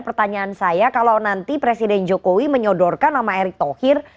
pertanyaan saya kalau nanti presiden jokowi menyodorkan nama erick thohir